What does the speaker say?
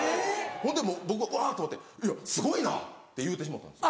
ほんで僕わと思って「いやすごいな！」って言うてしもうたんです。